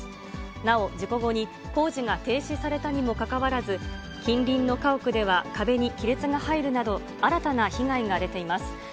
なお、事故後に工事が停止されたにもかかわらず、近隣の家屋では壁に亀裂が入るなど、新たな被害が出ています。